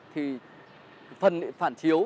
thì phần phản chiếu